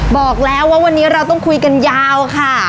บอกแล้วว่าวันนี้เราต้องคุยกันยาวค่ะ